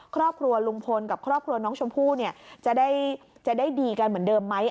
ครอบครัวลุงพลกับครอบครัวน้องชมพู่เนี่ยจะได้ดีกันเหมือนเดิมไหม